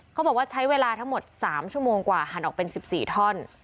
เขาบอกว่าใช้เวลาทั้งหมด๓ชั่วโมงกว่าหันออกเป็น๑๔ท่อน